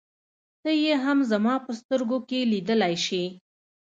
ته يې هم زما په سترګو کې لیدلای شې.